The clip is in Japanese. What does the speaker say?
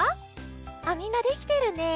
あっみんなできてるね。